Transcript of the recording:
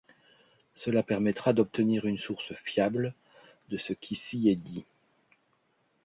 Cela permettra d’obtenir une source fiable de ce qui s’y est dit.